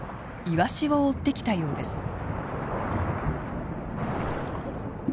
イワシを追ってきたようです。